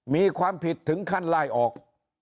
มีความผิดถึงขั้นไล่ออก